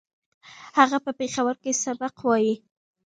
هغه په پېښور کې سبق وايي